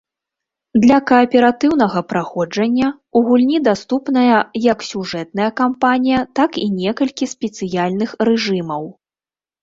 Для кааператыўнага праходжання ў гульні даступная як сюжэтная кампанія, так і некалькі спецыяльных рэжымаў.